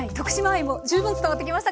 愛も十分伝わってきました。